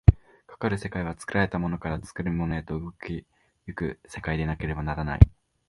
かかる世界は作られたものから作るものへと動き行く世界でなければならない。